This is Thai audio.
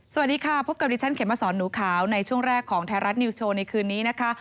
สวัสดีค่ะพบกับดิฉันเขมสอนหนูขาวในช่วงแรกของไทยรัฐนิวส์โชว์ในคืนนี้นะคะ